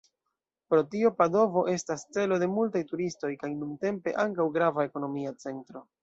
Pro tio Padovo estas celo de multaj turistoj, kaj nuntempe ankaŭ grava ekonomia centro.